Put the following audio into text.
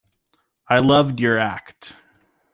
I loved your act.